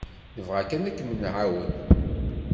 Nebɣa kan ad kem-nεawen.